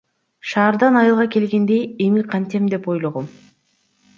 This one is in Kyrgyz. Шаардан айылга келгенде эми кантем деп ойлогом.